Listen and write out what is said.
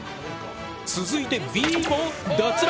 続いてＢも脱落！